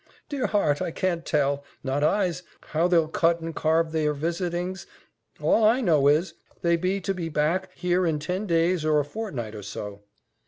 "Dear heart! I can't tell, not I's, how they'll cut and carve their visitings all I know is, they be to be back here in ten days or a fortnight or so."